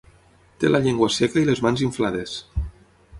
Té la llengua seca i les mans inflades.